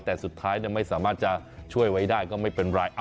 แต่สุดท้ายไม่สามารถจะช่วยไว้ได้ก็ไม่เป็นไร